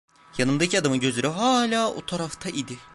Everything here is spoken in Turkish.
Yanımdaki adamın gözleri hala o tarafta idi.